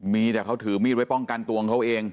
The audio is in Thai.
มีแต่เขาถือมีดไว้ป้องกันตัวของเขาเอง